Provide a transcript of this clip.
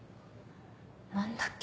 何だっけ？